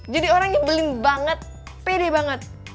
jadi orangnya belin banget pede banget